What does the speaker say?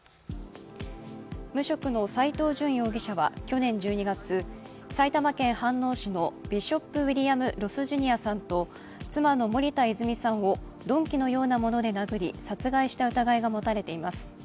無職の斉藤淳容疑者は去年１２月、埼玉県飯能市のビショップ・ウィリアム・ロス・ジュニアさんと妻の森田泉さんを鈍器のようなもので殴り殺害した疑いが持たれています。